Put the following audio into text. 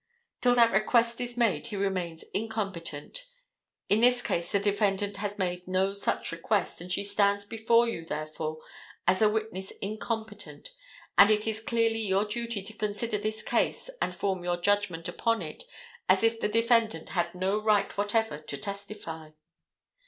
Till that request is made he remains incompetent. In this case the defendant has made no such request, and she stands before you, therefore, as a witness incompetent, and it is clearly your duty to consider this case and form your judgment upon it as if the defendant had no right whatever to testify.